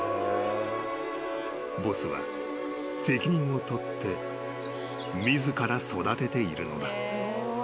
［ボスは責任を取って自ら育てているのだ］